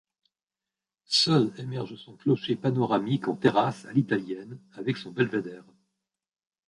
Seul, émerge son clocher panoramique en terrasse à l'Italienne avec son belvédère.